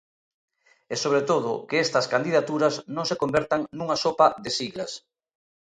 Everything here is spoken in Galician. E, sobre todo, que estas candidaturas non se convertan nunha sopa de siglas.